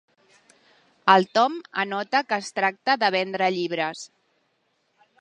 El Tom anota que es tracta de vendre llibres.